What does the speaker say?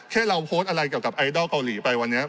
แค่เราโพสต์อะไรเกี่ยวกับไอดอลเกาหลีไปวันนี้